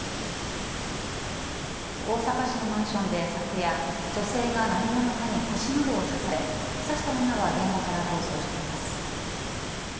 大阪市のマンションで昨夜女性が何者かに腰などを刺され刺した女は現場から逃走しています。